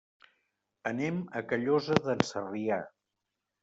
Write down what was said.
Anem a Callosa d'en Sarrià.